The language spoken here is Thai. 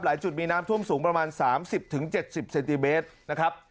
จุดมีน้ำท่วมสูงประมาณ๓๐๗๐เซนติเมตรนะครับ